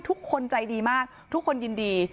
ทุกคนใจดีมากทุกคนยินดี